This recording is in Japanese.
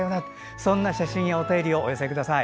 そんな写真、お便りをお寄せください。